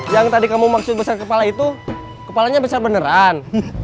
yang tadi kamu maksud besar kepala itu kepalanya besar beneran